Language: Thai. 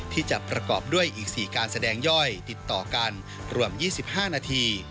ที่จะประกอบด้วยอีก๔การแสดงย่อยติดต่อกันรวม๒๕นาที